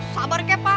sabar ke pak